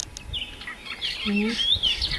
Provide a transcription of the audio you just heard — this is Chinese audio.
万让人口变化图示